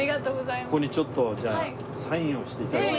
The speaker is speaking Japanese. ここにちょっとじゃあサインをして頂いて。